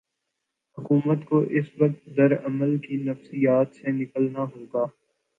حکومت کو اس وقت رد عمل کی نفسیات سے نکلنا ہو گا۔